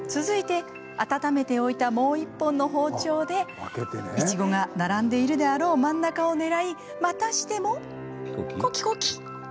続いて温めておいたもう一本の包丁でいちごが並んでいるであろう真ん中を狙いまたしてもコキコキ。